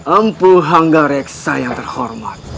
empu hangga reksa yang terhormat